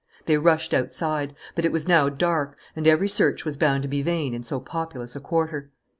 They rushed outside. But it was now dark; and every search was bound to be vain in so populous a quarter.